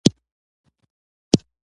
جالبه ده له دې ځایه د مکې معظمې.